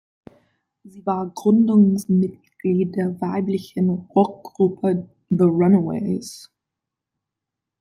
Sie war Gründungsmitglied der weiblichen Rockgruppe The Runaways.